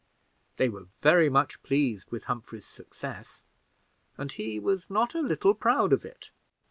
They were very much pleased with Humphrey's success, and he was not a little proud of it.